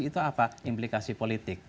itu apa implikasi politik